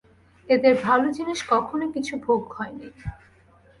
এদের ভাল জিনিষ কখনও কিছু ভোগ হয়নি।